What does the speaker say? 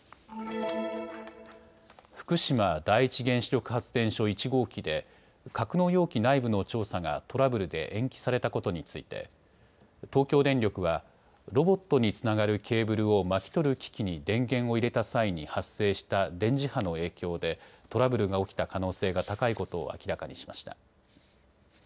福島第一原子力発電所１号機で格納容器内部の調査がトラブルで延期されたことについて東京電力はロボットにつながるケーブルを巻き取る機器に電源を入れた際に発生した電磁波の影響でトラブルが起きた可能性が高いことを明らかにしました。